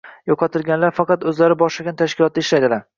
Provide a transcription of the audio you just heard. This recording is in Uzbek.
Yo'qotilganlar faqat o'zlari boshlagan tashkilotda ishlaydilar